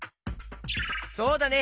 そうだね！